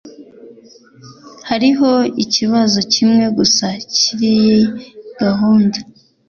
Hariho ikibazo kimwe gusa kuriyi gahunda